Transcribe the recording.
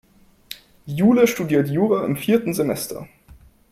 Jule studiert Jura im vierten Semester.